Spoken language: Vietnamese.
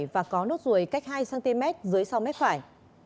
và có nốt ruồi cách hai cm dưới sau mép phải